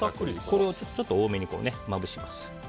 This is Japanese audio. ちょっと多めにまぶします。